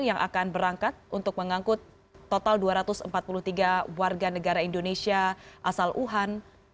yang akan berangkat untuk mengangkut total dua ratus empat puluh tiga warga negara indonesia asal wuhan